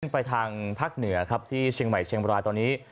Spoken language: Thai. ไปทางภาคเหนือครับที่เชียงใหม่เชียงบรายตอนนี้